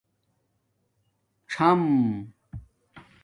څݳم